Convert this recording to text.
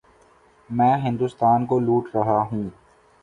میں ہندوستان کو لوٹ رہا ہوں۔